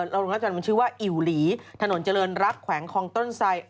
รองรับจันทร์มันชื่อว่าอิ๋วหลีถนนเจริญรักแขวงคลองต้นทราย